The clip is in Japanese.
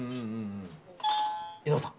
井上さん。